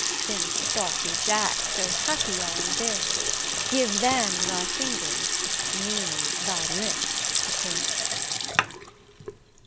Since saucy jacks so happy are in this, Give them thy fingers, me thy lips to kiss.